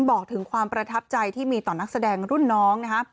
บอกถึงความประทับใจที่มีต่อนักแสดงรุ่นน้องนะฮะ